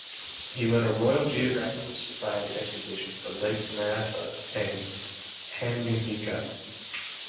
He led a Royal Geographical Society expedition to Lake Nyasa and Tanganyika.